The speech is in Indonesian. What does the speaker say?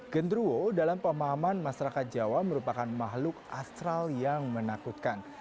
gendruwo dalam pemahaman masyarakat jawa merupakan makhluk astral yang menakutkan